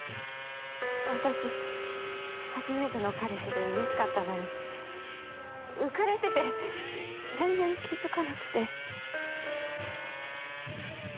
私初めての彼氏でうれしかったのに浮かれてて全然気付かなくて。